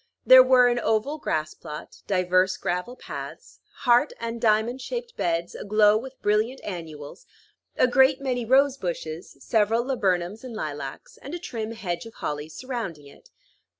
There were an oval grass plot, divers gravel paths, heart and diamond shaped beds aglow with brilliant annuals, a great many rose bushes, several laburnums and lilacs, and a trim hedge of holly surrounding it.